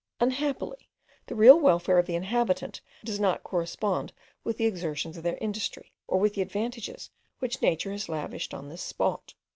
Unhappily the real welfare of the inhabitants does not correspond with the exertions of their industry, or with the advantages which nature has lavished on this spot.